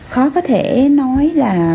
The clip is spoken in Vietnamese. khó có thể nói là